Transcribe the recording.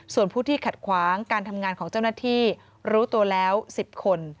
ส่วนผู้ที่ขัดขวางการทำงานของเจ้าหน้าที่รู้ตัวแล้ว๑๐คน